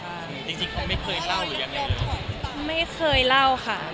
จริงเขาไม่เคยเล่าอยู่ยังไงเลย